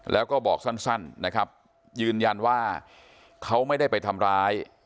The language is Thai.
แล้วก็บอกสั้นนะครับยืนยันว่าเขาไม่ได้ไปทำร้าย